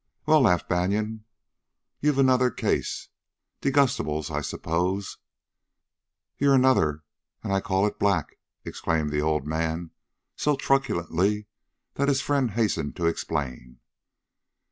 "Well," laughed Banion, "you've another case of de gustibus, I suppose." "You're another, an' I call it back!" exclaimed the old man so truculently that his friend hastened to explain.